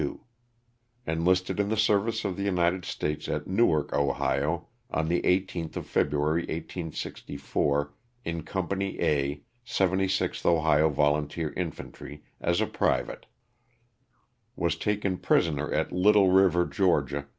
Enlisted in the service of the United States at Newark, Ohio, on the 18th of February, 1864, in Company A, 76 bh Ohio Volunteer Infantry as a private. Was taken pris oner at Little River, Ga.